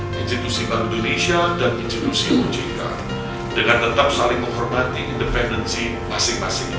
dan institusi bank indonesia dan institusi ojk dengan tetap saling menghormati independensi masing masing negara